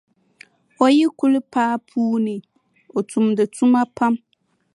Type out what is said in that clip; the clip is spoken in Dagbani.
O yi kuli paai puu ni, o tumdi tuma pam.